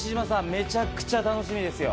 めちゃくちゃ楽しみですよ。